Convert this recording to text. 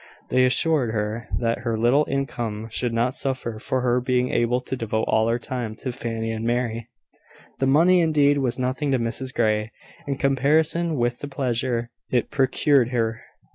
They assured her that her little income should not suffer for her being able to devote all her time to Fanny and Mary. The money, indeed, was nothing to Mrs Grey, in comparison with the pleasure it procured her.